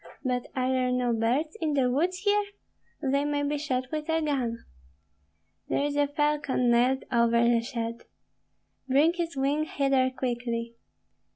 But are there no birds in the woods here? They may be shot with a gun." "There is a falcon nailed over the shed." "Bring his wing hither quickly!"